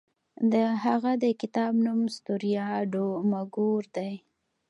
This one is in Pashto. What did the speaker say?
د هغه د کتاب نوم ستوریا ډو مګور دی.